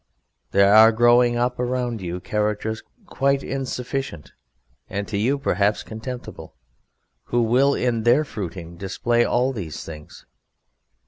There are, growing up around you, characters quite insufficient, and to you, perhaps, contemptible, who will in their fruiting display all these things."